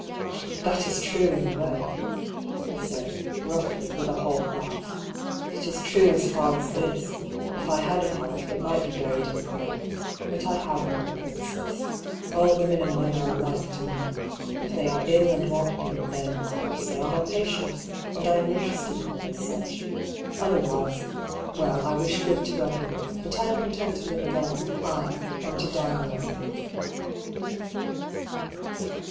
" That is true in a way," he said, roughly, with a half laugh. " It is true as far as this : if I had a heart, it might be buried in a grave. But I have none, princess. All women and men are alike to me. If they are ill and want me, then, of course, they are my patients, and I am interested in them as such. Otherwise — well, I wish good to everyone ; but I am content to live alone — ^aye, and to die alone."